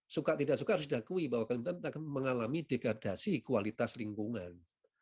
suka tidak suka harus diakui bahwa kalimantan mengalami degradasi kualitas lingkungan